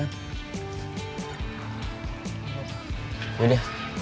ya udah masuk kelas yuk